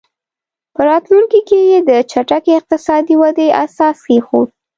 په راتلونکي کې یې د چټکې اقتصادي ودې اساس کېښود.